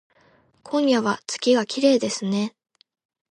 今夜は月がきれいですね